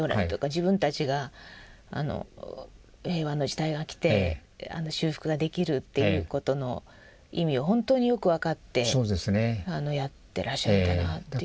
自分たちが平和の時代が来て修復ができるっていうことの意味を本当によく分かってやってらっしゃるんだなっていう。